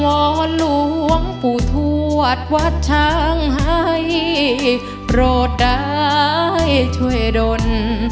อนหลวงปู่ทวดวัดช้างให้โปรดได้ช่วยดน